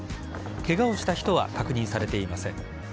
ケガをした人は確認されていません。